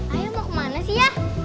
ayo mau kemana sih ya